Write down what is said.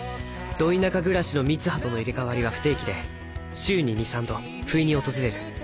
ど田舎暮らしの三葉との入れ替わりは不定期で週に２３度不意に訪れる。